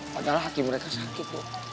padahal hati mereka sakit kok